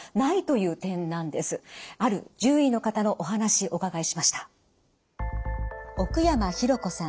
ある獣医の方のお話お伺いしました。